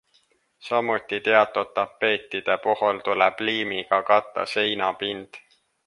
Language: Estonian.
Samuti teatud tapeetide puhul tuleb liimiga katta seinapind.